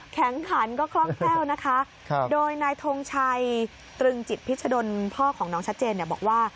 ครับ